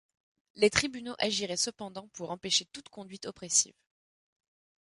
Les tribunaux agiraient cependant pour empêcher toute conduite oppressive.